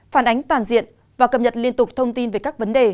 phản ánh toàn diện và cập nhật liên tục thông tin về các vấn đề